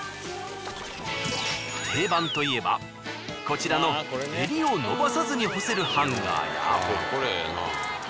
定番といえばこちらの襟を伸ばさずに干せるハンガーや。